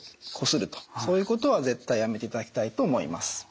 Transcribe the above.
そういうことは絶対やめていただきたいと思います。